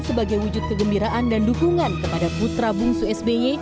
sebagai wujud kegembiraan dan dukungan kepada putra bungsu sby